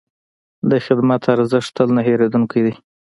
د خدمت ارزښت تل نه هېرېدونکی دی.